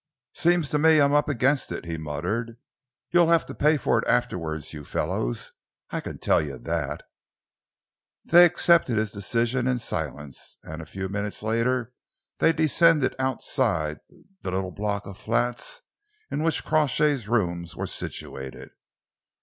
"Seems to me I'm up against it," he muttered. "You'll have to pay for it afterwards, you fellows, I can tell you that." They accepted his decision in silence, and a few minutes later they descended outside the little block of flats in which Crawshay's rooms were situated.